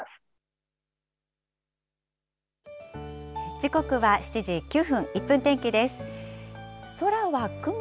時刻は７時９分、１分天気です。